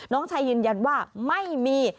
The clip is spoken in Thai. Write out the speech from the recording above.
น้องชายยืนยันว่าไม่มี